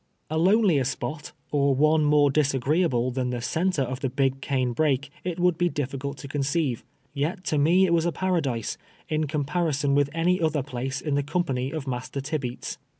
A lonelier spot, or one more disagreeable, than the centre of the " Big Cane Brake," it would be diiiicult to conceive ; yet to me it was a paradise, in compari son with any other place in the com})any of Master Tibeats.